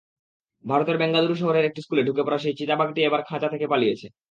ভারতের বেঙ্গালুরু শহরের একটি স্কুলে ঢুকে পড়া সেই চিতাবাঘটি এবার খাঁচা থেকে পালিয়েছে।